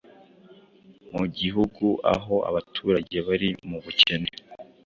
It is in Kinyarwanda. mu gihugu aho abaturage bari mu bukene